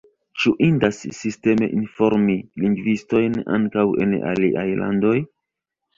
Ĉu indas sisteme informi lingvistojn ankaŭ en aliaj landoj?